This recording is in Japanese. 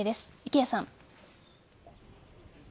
池谷さん。